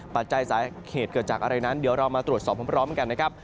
ปัจจัยสาเหตุเกิดจากอะไรนั้นเดี๋ยวเรามาตรวจสอบพร้อมกันนะครับ